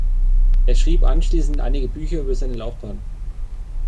Er schrieb anschließend einige Bücher über seine Laufbahn.